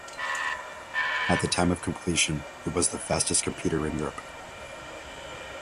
At the time of completion, it was the fastest computer in Europe.